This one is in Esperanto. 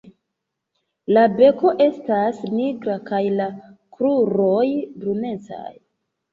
La beko estas nigra kaj la kruroj brunecaj.